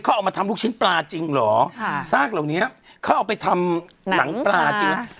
เขาเอามาทำลูกชิ้นปลาจริงเหรอค่ะซากเหล่านี้เขาเอาไปทำหนังปลาจริงไหม